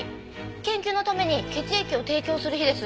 研究のために血液を提供する日です。